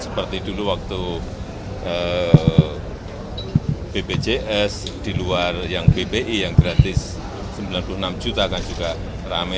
seperti dulu waktu bpjs di luar yang bpi yang gratis sembilan puluh enam juta kan juga rame